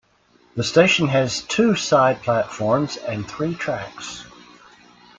The station has two side platforms and three tracks.